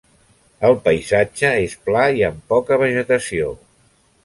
El paisatge és pla i amb poca vegetació.